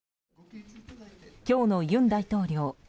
今日の尹大統領